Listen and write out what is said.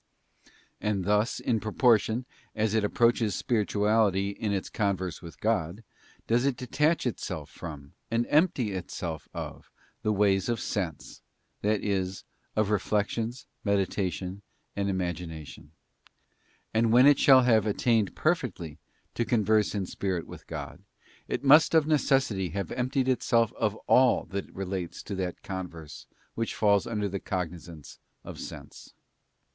And thus in proportion as it approaches spirituality in its converse with God, does it detach itself from, and empty itself of, the ways of sense, that is, of reflections, meditation, and imagination. And when it shall have attained perfectly to converse in spirit with God, it must of necessity have emptied itself of all that relates to that converse which falls under the cognisance of sense.